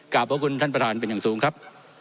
ขอบคุณท่านประธานเป็นอย่างสูงครับ